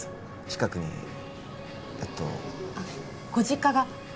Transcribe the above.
近くにえっとあっご実家が？